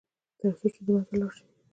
تر څو چې د منځه لاړ شي.